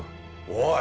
おい！